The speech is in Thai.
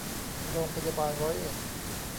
โรงพยาบาลร้อยเอ็ด